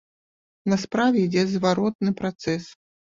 На справе ідзе зваротны працэс.